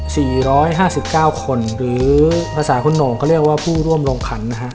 สี่ร้อยห้าสิบเก้าคนหรือภาษาคุณโหน่งเขาเรียกว่าผู้ร่วมลงขันนะฮะ